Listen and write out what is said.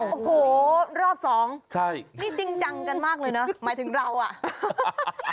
โอ้โหรอบสองใช่นี่จริงจังกันมากเลยเนอะหมายถึงเราอ่ะ